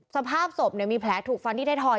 สภาพศพมีแผลถูกฟันที่ไทยทอย